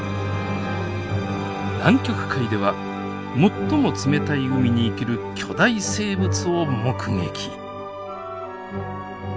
南極海では最も冷たい海に生きる巨大生物を目撃！